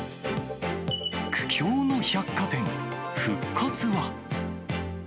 苦境の百貨店復活は？